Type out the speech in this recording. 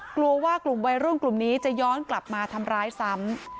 กลัวว่ากลุ่มวัยรุ่นกลุ่มนี้จะย้อนกลับมาทำร้ายซ้ำ